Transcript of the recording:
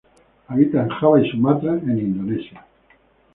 Habita en Java y Sumatra, en Indonesia.